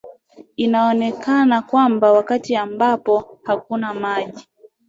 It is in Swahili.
inaonekana kwamba wakati ambapo hakuna maji